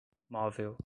móvel